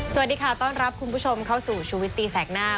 สวัสดีค่ะต้อนรับคุณผู้ชมเข้าสู่ชุมศิษย์ชุมศิษย์แสกหน้า